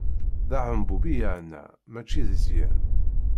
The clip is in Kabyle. D aɛembub i yeɛna, mačči d zzyen.